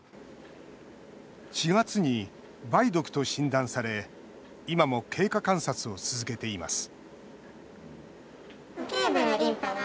４月に梅毒と診断され今も経過観察を続けています